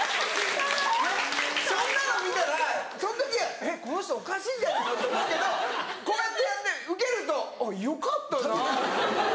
なっそんなの見たらその時この人おかしいんじゃないの？って思うけどこうやってやってウケるとあっよかったなって。